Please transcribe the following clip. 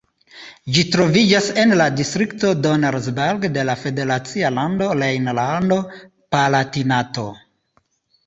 Ĝi troviĝas en la distrikto Donnersberg de la federacia lando Rejnlando-Palatinato.